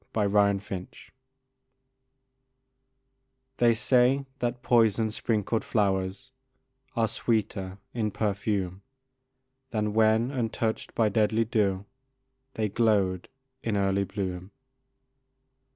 A Fragment They say that poison sprinkled flowers Are sweeter in perfume Than when, untouched by deadly dew, They glowed in early bloom.